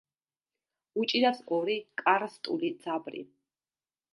უჭირავს ორი კარსტული ძაბრი.